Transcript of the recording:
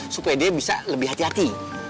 supaya dia bisa lebih hati hati